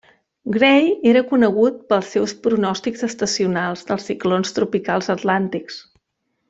Gray era conegut pels seus pronòstics estacionals dels ciclons tropicals Atlàntics.